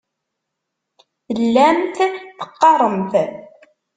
Tellamt teqqaremt.